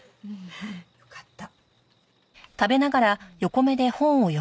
よかった。